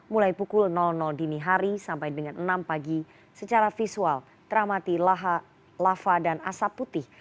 mulai pukul dini hari sampai dengan enam pagi secara visual teramati lava dan asap putih